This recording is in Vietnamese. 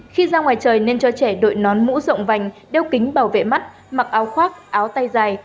khi ra ngoài trời nên cho trẻ đội nón mũ rộng vành đeo kính bảo vệ mắt mặc áo khoác áo tay dài